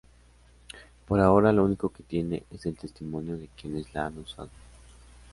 Por ahora, lo único que tiene es el testimonio de quienes la han usado.